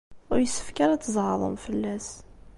Ur yessefk ara ad tzeɛḍem fell-as.